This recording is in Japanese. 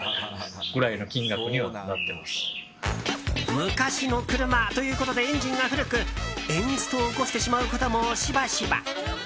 昔の車ということでエンジンが古くエンストを起こしてしまうこともしばしば。